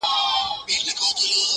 خو بس دا ستا تصوير به كور وران كړو_